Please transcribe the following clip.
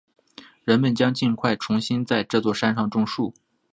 人们将尽快重新在这座山上种树。